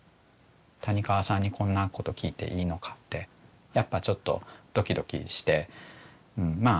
谷川さんにこんなこと聞いていいのかってやっぱちょっとドキドキしてまあ